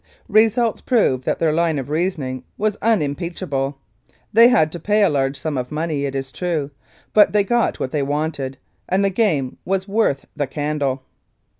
Results proved that their line of reasoning was unimpeachable. They had to pay a large sum of money, it is true, but they got what they wanted, and the game was worth the candle.